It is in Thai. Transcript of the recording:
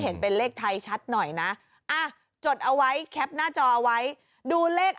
เห็นเป็นเลขไทยชัดหน่อยนะจดเอาไว้แคปหน้าจอเอาไว้ดูเลข